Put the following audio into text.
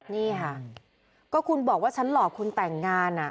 นี่ค่ะก็คุณบอกว่าฉันหลอกคุณแต่งงาน